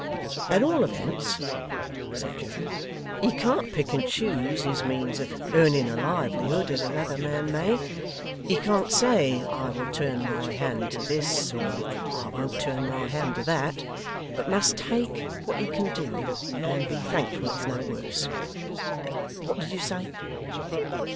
'At all events,' said Joe, 'he can't pick and choose his means of earning a livelihood, as another man may. He can't say "I will turn my hand to this," or "I won't turn my hand to that," but must take what he can do, and be thankful it's no worse. What did you say?